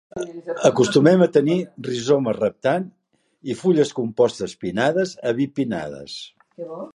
Acostumen a tenir rizoma reptant i fulles compostes pinnades a bipinnades.